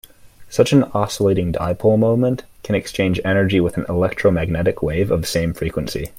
Such an oscillating dipole moment can exchange energy with an electromagnetic wave of same frequency.